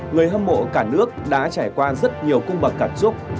người hâm mộ cả nước đã trải qua rất nhiều cung bậc cả chúc